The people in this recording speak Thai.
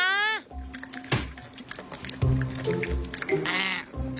นายครับสักวันหนึ่งเราจะโต